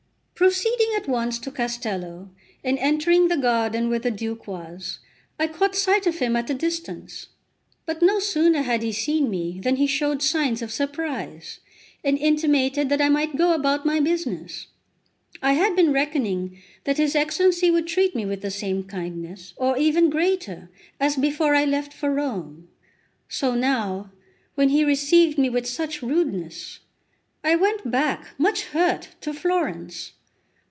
Proceeding at once to Castello, and entering the garden where the Duke was, I caught sight of him at a distance; but no sooner had he seen me than he showed signs of surprise, and intimated that I might go about my business. I had been reckoning that his Excellency would treat me with the same kindness, or even greater, as before I left for Rome; so now, when he received me with such rudeness. I went back, much hurt, to Florence.